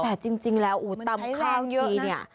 แต่จริงแล้วตำข้าวทีเนี่ย